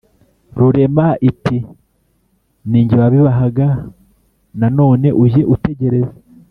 rurema iti:” ni jye wabibahaga nanone ujye utegereza,